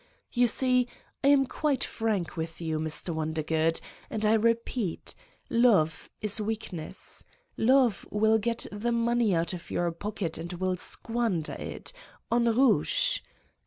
You s<ee, I am quite frank with 70 Satan's Diary you, Mr. Wondergood, and I repeat : love is weak ness. Love will get the money out of your pocket and will squander it ... on rouge